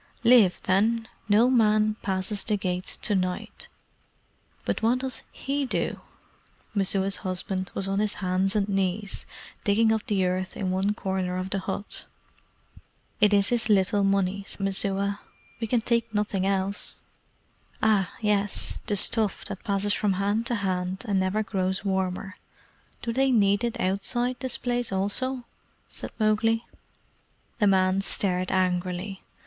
"Live, then. No man passes the gates to night. But what does HE do?" Messua's husband was on his hands and knees digging up the earth in one corner of the hut. "It is his little money," said Messua. "We can take nothing else." "Ah, yes. The stuff that passes from hand to hand and never grows warmer. Do they need it outside this place also?" said Mowgli. The man stared angrily.